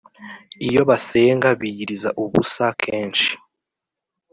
Iyo basenga biyiriza ubusa kenshi